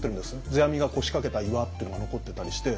世阿弥が腰掛けた岩っていうのが残ってたりして。